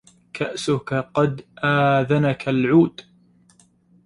كأسك قد آذنك العود